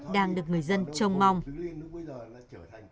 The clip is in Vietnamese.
đang được người dân trông mong